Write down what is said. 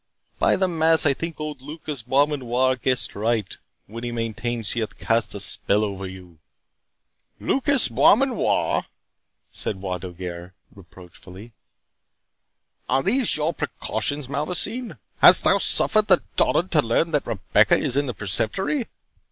By the mass, I think old Lucas Beaumanoir guesses right, when he maintains she hath cast a spell over you." "Lucas Beaumanoir!"—said Bois Guilbert reproachfully—"Are these your precautions, Malvoisin? Hast thou suffered the dotard to learn that Rebecca is in the Preceptory?"